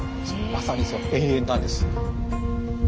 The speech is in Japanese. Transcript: まさにそう延々なんです。